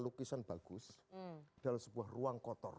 lukisan bagus dalam sebuah ruang kotor